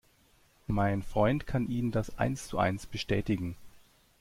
Mein Freund kann Ihnen das eins zu eins bestätigen.